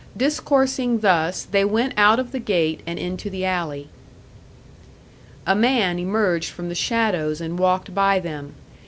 Discoursing thus, they went out of the gate and into the alley. A man emerged from the shadows and walked by them.